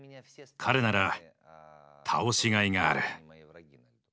彼なら倒しがいがある。